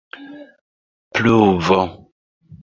pluvo